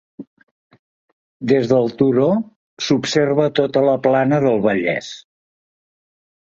Des del turó, s'observa tota la plana del Vallès.